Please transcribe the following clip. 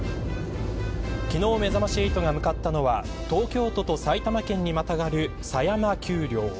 昨日めざまし８が向かったのは東京都と埼玉県にまたがる狭山丘陵。